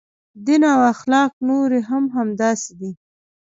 دین او اخلاق نورې هم همداسې دي.